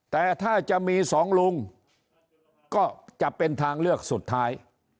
แต่ถ้าจะมีสองลุงก็จะเป็นทางเลือกสุดท้าย